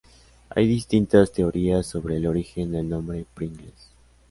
Hay distintas teorías sobre el origen del nombre "Pringles".